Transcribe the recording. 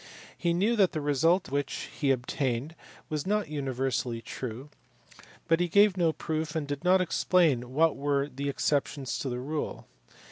He knew that the result which he obtained was not universally true, but he gave no proof and did not explain what were the exceptions to the rule.